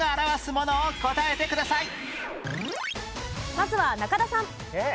まずは中田さん。